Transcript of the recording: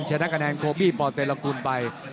ชนะกระแนนโคบี้พอเตรลากูนไป